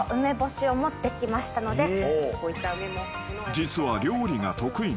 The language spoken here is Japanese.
［実は］